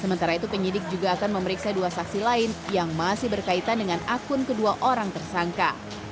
sementara itu penyidik juga akan memeriksa dua saksi lain yang masih berkaitan dengan akun kedua orang tersangka